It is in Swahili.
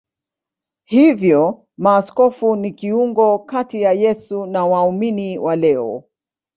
Hivyo maaskofu ni kiungo kati ya Yesu na waumini wa leo.